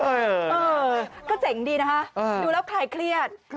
เออก็เจ๋งดีนะคะดูแล้วใครเครียด